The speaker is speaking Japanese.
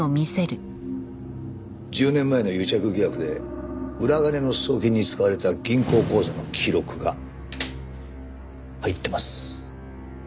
１０年前の癒着疑惑で裏金の送金に使われた銀行口座の記録が入ってます。